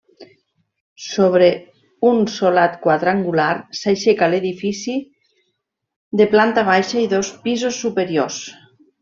Sobre un solat quadrangular s'aixeca l'edifici de planta baixa i dos pisos superiors.